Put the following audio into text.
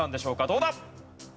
どうだ？